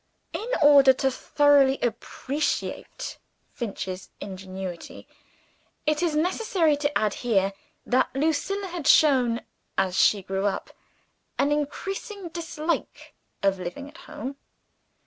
In order to thoroughly appreciate Finch's ingenuity, it is necessary to add here that Lucilla had shown, as she grew up, an increasing dislike of living at home.